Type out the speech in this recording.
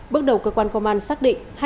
bước đầu cơ quan công an xác định